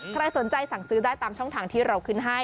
ใครสนใจสั่งซื้อได้ตามช่องทางที่เราขึ้นให้